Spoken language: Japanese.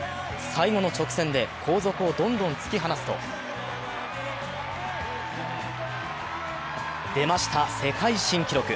最後の直線で後続をどんどん突き放すと出ました、世界新記録！